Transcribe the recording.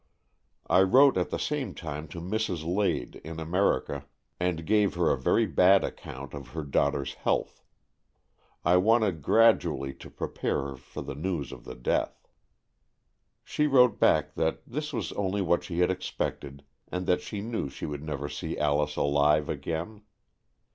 I wrote at the same time to Mrs. Lade in America, and gave her a very bad account of her daughter's health. I wanted gradually to prepare her for the news of the death. She wrote back that this was only what she had expected, and that she knew she would never see Alice alive again.